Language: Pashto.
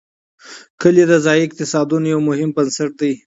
کلي د ځایي اقتصادونو یو مهم بنسټ دی.